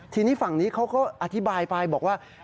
ทีนี้ฝั่งนี้เขาก็อธิบายไปบอกว่า